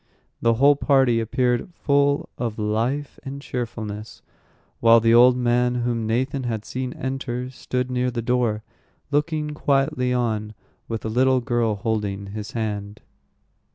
The whole party appeared full of life and cheerfulness, while the old man whom Nathan had seen enter stood near the door, looking quietly on, with a little girl holding his hand.